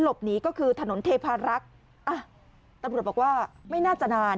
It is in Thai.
หลบหนีก็คือถนนเทพารักษ์อ่ะตำรวจบอกว่าไม่น่าจะนาน